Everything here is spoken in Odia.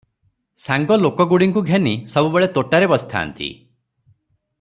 ସାଙ୍ଗ ଲୋକଗୁଡ଼ିଙ୍କୁ ଘେନି ସବୁବେଳେ ତୋଟାରେ ବସିଥାନ୍ତି ।